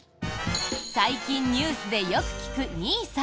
最近ニュースでよく聞くＮＩＳＡ。